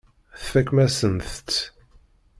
Tfakem-asent-tt.